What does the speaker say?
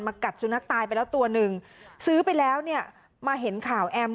กัดสุนัขตายไปแล้วตัวหนึ่งซื้อไปแล้วเนี่ยมาเห็นข่าวแอม